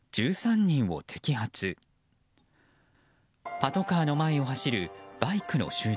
パトカーの前を走るバイクの集団。